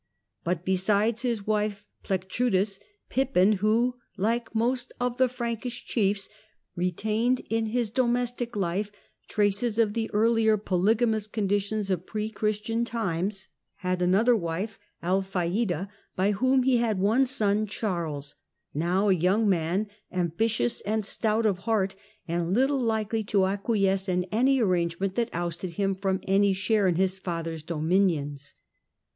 But besides his wife Plectrudis, Pippin, who, like most of the Frankish chiefs, retained in his domestic life traces of the earlier polygamous conditions of pre Christian times, had an 104 CHARLES MARTEL 105 }ther wife, Alphaida, by whom he had one son Charles, low a young man, ambitious and stout of heart, and ittle likely to acquiesce in any arrangement that ousted aim from any share in his father's dominions.